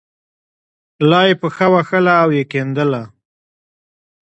لا یې پښه وهله او یې کیندله.